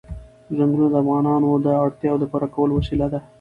ځنګلونه د افغانانو د اړتیاوو د پوره کولو وسیله ده.